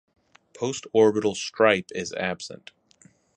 Postorbital stripe is absent.